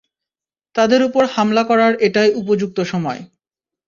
তাদের উপর হামলা করার এটাই উপযুক্ত সময়।